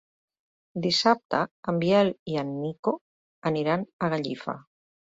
Dissabte en Biel i en Nico aniran a Gallifa.